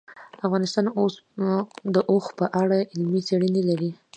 افغانستان د اوښ په اړه علمي څېړنې لري.